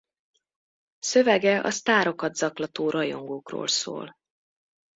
Szövege a sztárokat zaklató rajongókról szól.